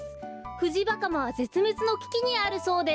フジバカマはぜつめつのききにあるそうです！